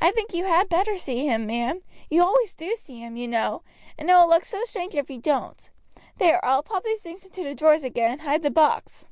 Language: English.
"I think you had better see him, ma'am. You always do see him, you know, and it will look so strange if you don't. There, I will pop these things into the drawers again and hide the box."